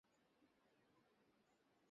আমি বলি, এই জলি খারাপ।